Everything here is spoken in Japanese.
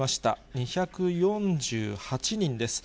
２４８人です。